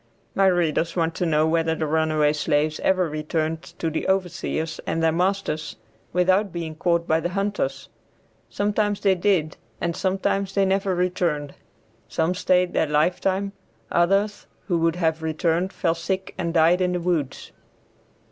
My readers want to know whether the runaway slaves ever returned to the overseers and their masters without being caught by the hunters. Sometimes they did and sometimes they never returned. Some stayed their lifetime; others, who would have returned, fell sick and died in the woods.